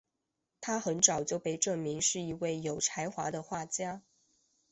她很早就被证明是一位有才华的画家。